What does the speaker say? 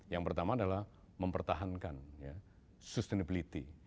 yang pertama adalah mempertahankan sustainability